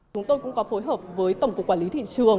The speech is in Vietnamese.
chúng tôi cũng có phối hợp với tổng cục quản lý thị trường